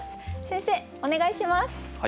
先生お願いします。